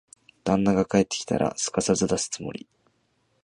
旦那が帰ってきたら、すかさず出すつもり。